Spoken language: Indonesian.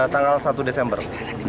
tanggal satu desember dua ribu enam belas